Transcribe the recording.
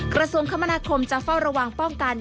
กระทรวงคมนาคมจะเฝ้าระวังป้องกัน